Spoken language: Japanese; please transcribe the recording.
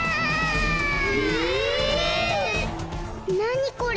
なにこれ？